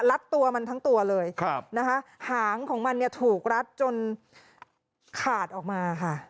รัดตัวมันทั้งตัวเลยหางของมันถูกรัดจนขาดออกมาค่ะ